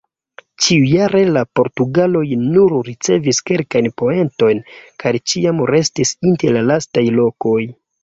Ĉiujare la portugaloj nur ricevis kelkajn poentojn kaj ĉiam restis inter la lastaj lokoj.